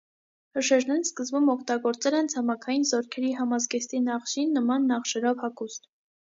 Հրշեջներն սկզբում օգտագործել են ցամաքային զորքերի համազգեստի նախշին նման նախշերով հագուստ։